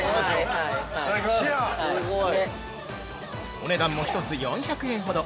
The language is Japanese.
◆お値段も１つ４００円ほど。